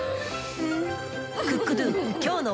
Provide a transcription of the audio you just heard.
うん！